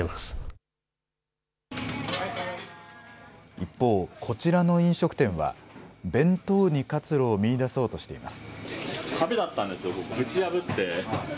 一方、こちらの飲食店は、弁当に活路を見いだそうとしています。